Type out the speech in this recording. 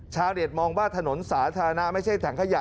ชาวเน็ตมองว่าถนนสาธารณะไม่ใช่ถังขยะ